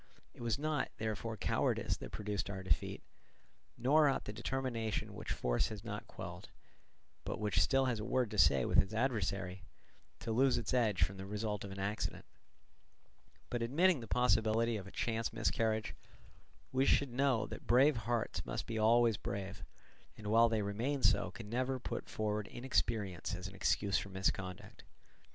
It was not, therefore, cowardice that produced our defeat, nor ought the determination which force has not quelled, but which still has a word to say with its adversary, to lose its edge from the result of an accident; but admitting the possibility of a chance miscarriage, we should know that brave hearts must be always brave, and while they remain so can never put forward inexperience as an excuse for misconduct.